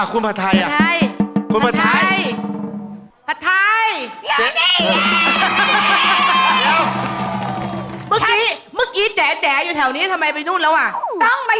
อ่ะคุณภัทรไทยอ่ะคุณภัทรไทยภัทรไทยภัทรไทยภัทรไทย